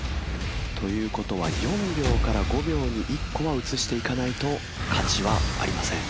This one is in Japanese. という事は４秒から５秒に１個は移していかないと勝ちはありません。